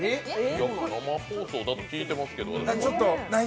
生放送だって聞いてますけど。